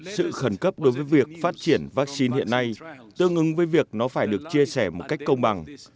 sự khẩn cấp đối với việc phát triển vaccine hiện nay tương ứng với việc nó phải được chia sẻ một cách công bằng